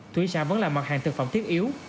thủy sản vẫn là mặt hàng thực phẩm thiết yếu